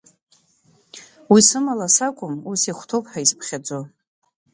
Уи сымала сакәым ус иахәҭоуп ҳәа изԥхьаӡо.